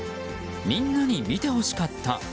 みんなに見てほしかった。